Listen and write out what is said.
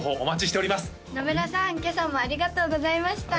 今朝もありがとうございました